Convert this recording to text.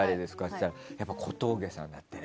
そうしたらやっぱ、小峠さんだってね。